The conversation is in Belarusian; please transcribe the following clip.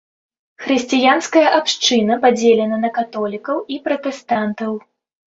Хрысціянская абшчына падзелена на каталікоў і пратэстантаў.